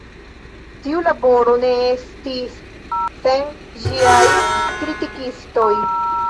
Tiu laboro ne estis sen ĝiaj kritikistoj.